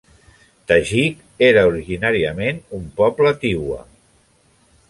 Tajique era originàriament un poble Tiwa.